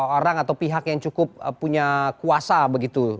orang atau pihak yang cukup punya kuasa begitu